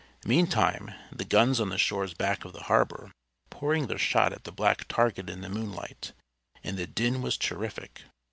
Meantime the guns on the shores back of the harbor were pouring their shot at the black target in the moonlight, and the din was terrific.